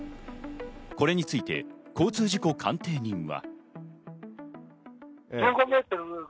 これについて交通事故鑑定人は。